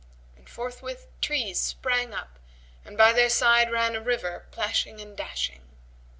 And forthwith trees sprang up and by their side ran a river plashing and dashing.